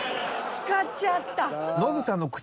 使っちゃった。